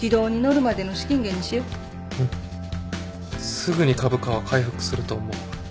すぐに株価は回復すると思う